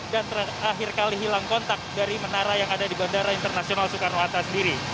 dan terakhir kali hilang kontak dari menara yang ada di bandara internasional soekarno hatta sendiri